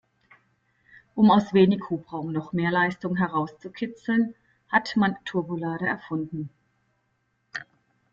Um aus wenig Hubraum noch mehr Leistung herauszukitzeln, hat man Turbolader erfunden.